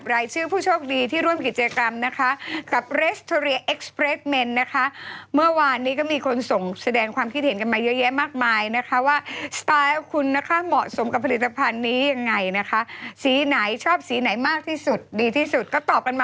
อย่างคุณนาเดตคุณยาย่าเนี่ยนะคะคุณมากคุณเคมคุณไมค์กี้คุณโป๊บ